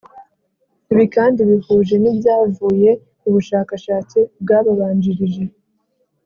Ibi kandi bihuje n ibyavuye mu bushakashatsi bwabanjirije